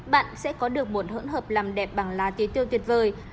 bạn sẽ có được một hỗn hợp làm đẹp bằng lá tế tô tuyệt vời